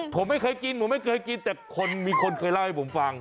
ผมไม่เคยกินแต่มีคนเคยเล่าให้ผมฟัง